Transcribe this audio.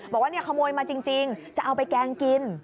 บอกว่าขโมยมาจริงจะเอาไปแกงกิน